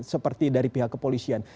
seperti dari pihak kepolisian